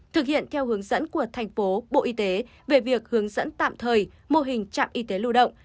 thực hiện theo hướng dẫn của thành phố bộ y tế về việc hướng dẫn tạm thời mô hình trạm y tế lưu động